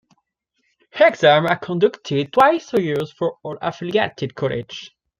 Exams are conducted twice a year for all affiliated colleges.